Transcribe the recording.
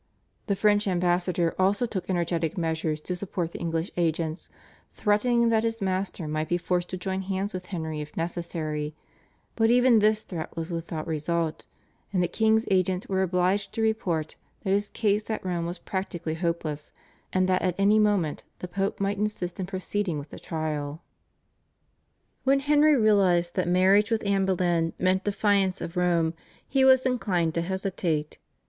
The French ambassador also took energetic measures to support the English agents threatening that his master might be forced to join hands with Henry if necessary; but even this threat was without result, and the king's agents were obliged to report that his case at Rome was practically hopeless, and that at any moment the Pope might insist in proceeding with the trial. When Henry realised that marriage with Anne Boleyn meant defiance of Rome he was inclined to hesitate.